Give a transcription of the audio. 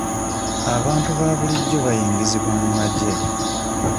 Abantu ba bulijjo bayingizibwa mu magye.